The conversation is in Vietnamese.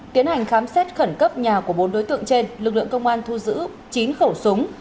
tiến hành khám xét khẩn cấp nhà của bốn đối tượng trên lực lượng công an thu giữ chín khẩu súng